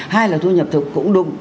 hai là thu nhập thấp cũng đúng